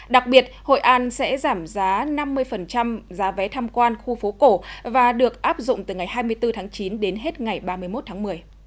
đặc biệt hội an sẽ giảm giá năm mươi giá vé tham quan khu phố cổ và được áp dụng từ ngày hai mươi bốn tháng chín đến hết ngày ba mươi một tháng một mươi